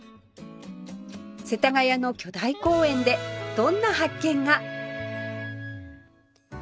世田谷の巨大公園でどんな発見が？